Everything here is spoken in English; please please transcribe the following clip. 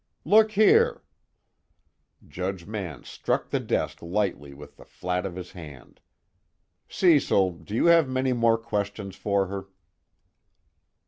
"Look here " Judge Mann struck the desk lightly with the flat of his hand. "Cecil, do you have many more questions for her?"